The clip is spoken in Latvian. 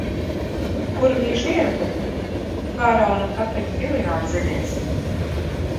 Kurmīšu ierakumi. Faraonu kapeņu filiāle, zinies!